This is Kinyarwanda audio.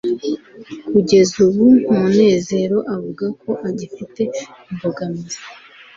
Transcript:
kugeza ubu munezero avuga ko agifite imbogamizi